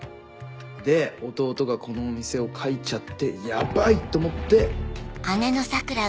で弟がこのお店を描いちゃって「ヤバい！」と思って。